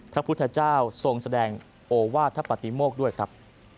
พระพุทธเจ้าทรงแสดงโอวาธปฏิโมกด้วยครับ